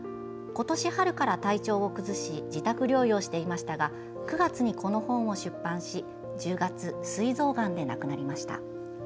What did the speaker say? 今年春から体調を崩し自宅療養していましたが９月にこの本を出版し１０月、すい臓がんで亡くなりました。